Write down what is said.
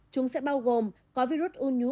chúng sẽ bao gồm có virus u nhú